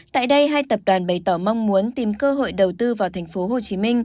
tại đây hai tập đoàn bày tỏ mong muốn tìm cơ hội đầu tư vào tp hcm